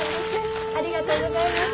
ありがとうございます。